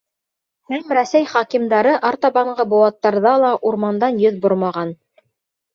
Һәм Рәсәй хакимдары артабанғы быуаттарҙа ла урмандан йөҙ бормаған.